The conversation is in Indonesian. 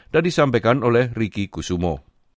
dan disampaikan oleh riki kusumo